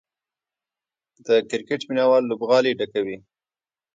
د کرکټ مینه وال لوبغالي ډکوي.